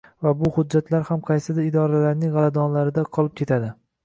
Va bu hujjatlar ham qaysidir idoralarning g`aladonlarida qolib ketadi